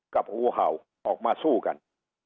งูเห่าออกมาสู้กัน